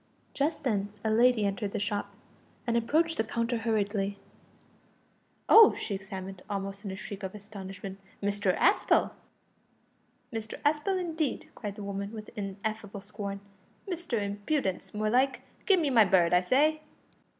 Just then a lady entered the shop, and approached the counter hurriedly. "Oh!" she exclaimed, almost in a shriek of astonishment, "Mr Aspel!" "Mr Aspel, indeed," cried the woman, with ineffable scorn, "Mr Impudence, more like. Give me my bird, I say!"